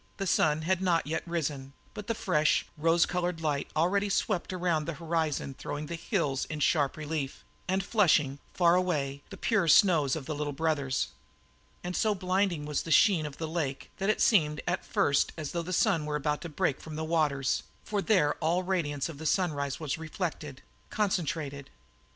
The sun had not yet risen, but the fresh, rose coloured light already swept around the horizon throwing the hills in sharp relief and flushing, faraway, the pure snows of the Little Brothers. And so blinding was the sheen of the lake that it seemed at first as though the sun were about to break from the waters, for there all the radiance of the sunrise was reflected, concentrated.